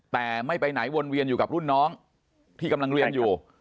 แต่ไม่ไปไหนวนเวียนอยู่กับรุ่นน้องที่กำลังเรียนอยู่